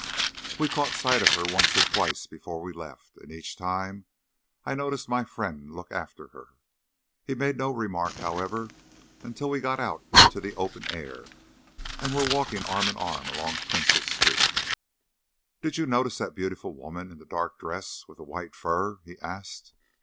We caught sight of her once or twice before we left, and each time I noticed my friend look after her. He made no remark, however, until we got out into the open air, and were walking arm in arm along Princes Street. "Did you notice that beautiful woman, in the dark dress, with the white fur?" he asked.